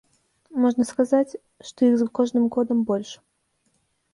Можна сказаць, што іх з кожным годам больш.